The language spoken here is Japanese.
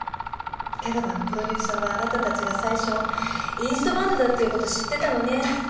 キャラバンのプロデューサーはあなたたちが最初インストバンドだっていうこと知ってたのね。